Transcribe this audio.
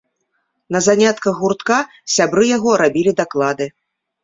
На занятках гуртка сябры яго рабілі даклады.